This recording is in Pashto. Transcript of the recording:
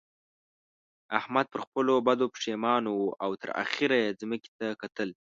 احمد پر خپلو بدو پېښمانه وو او تر اخېره يې ځمکې ته کتل.